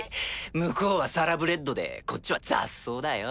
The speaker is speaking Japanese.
向こうはサラブレッドでこっちは雑草だよ。